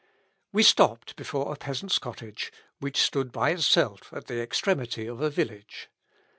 We stopped before a peasant's cottage, which stood by itself at the extremity of a village.